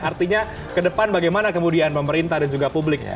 artinya ke depan bagaimana kemudian pemerintah dan juga publik ya